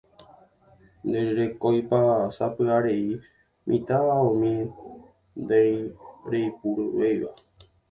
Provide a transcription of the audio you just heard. Ndererekóipa sapy'arei mitã aomi ndereipuruvéiva